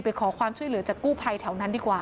ไปขอความช่วยเหลือจากกู้ภัยแถวนั้นดีกว่า